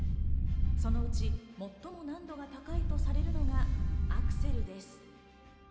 そのうち最も難度が高いとされるのがアクセルです。